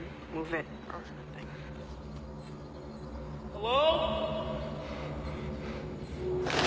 うわ！